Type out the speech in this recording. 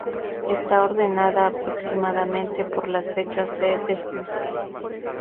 Está ordenada, aproximadamente, por las fechas de defunción.